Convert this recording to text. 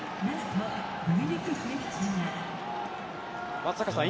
松坂さん